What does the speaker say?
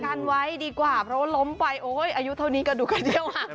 กันไว้ดีกว่าเพราะว่าล้มไปโอ้ยอายุเท่านี้กระดูกกระเดี้ยวหัก